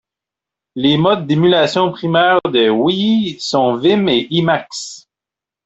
Les modes d'émulation primaires de Yi sont Vim et emacs.